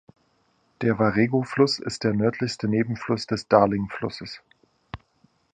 Der Warrego-Fluss ist der nördlichste Nebenfluss des Darling-Flusses.